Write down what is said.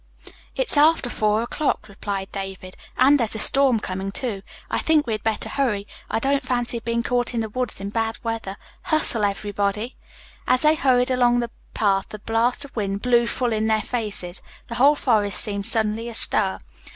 "It's after four o'clock," replied David, "and there's a storm coming, too. I think we had better hurry. I don't fancy being caught in the woods in bad weather. Hustle, everybody." As they hurried along the path a blast of wind blew full in their faces. The whole forest seemed suddenly astir.